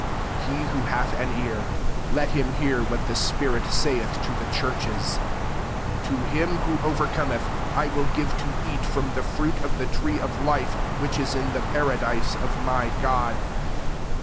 7 He who hath an ear, let him hear what the spirit saith to the churches. To him who over cometh I will give to eat from the fruit of the tree of life which is in the paradise of my God.